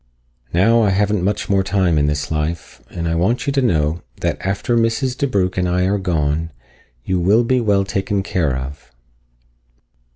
Now I haven't much more time in this life, and I want you to know that after Mrs. DeBrugh and I are gone, you will be well taken care of."